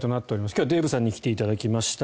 今日、デーブさんに来ていただきました。